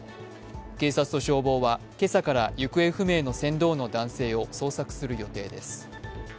警察と消防は今朝から行方不明の船頭の男性を捜索する予定です。